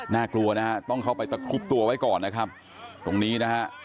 น่ากลัวนะฮะต้องเข้าไปตะครุบตัวไว้ก่อนนะครับตรงนี้นะฮะ